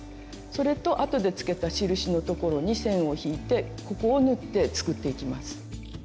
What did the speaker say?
それとあとでつけた印のところに線を引いてここを縫って作っていきます。